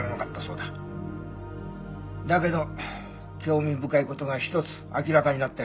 だけど興味深い事が１つ明らかになったよ。